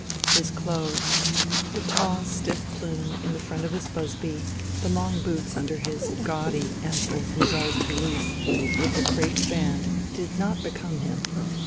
His clothes, the tall stiff plume in the front of his busby, the long boots under his gaudy, ample Hussar's pelisse, with the crape band, did not become him.